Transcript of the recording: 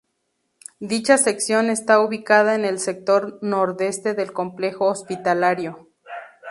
Dicha sección está ubicada en el sector nordeste del complejo hospitalario.